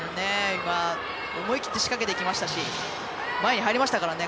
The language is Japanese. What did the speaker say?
今思い切って仕掛けていきましたし前に入りましたからね。